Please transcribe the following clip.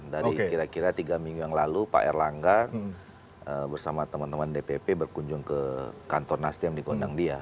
dari kira kira tiga minggu yang lalu pak erlangga bersama teman teman dpp berkunjung ke kantor nasdem di gondang dia